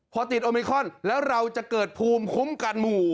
พอติดโอมิคอนแล้วเราจะเกิดภูมิคุ้มกันหมู่